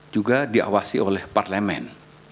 juga diawasi oleh parlemen